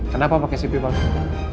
kenapa pakai cv palsu